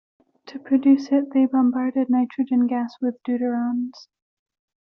To produce it, they bombarded nitrogen gas with deuterons.